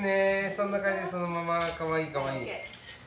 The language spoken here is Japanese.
そんな感じそのままかわいいかわいいはいＯＫ